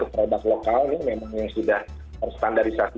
produk lokal ini memang yang sudah terstandarisasi